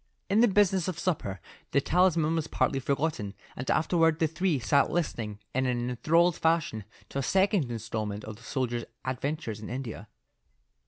In the business of supper the talisman was partly forgotten, and afterward the three sat listening in an enthralled fashion to a second instalment of the soldier's adventures in India.